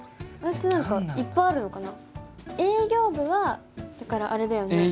いっぱいあるのかな？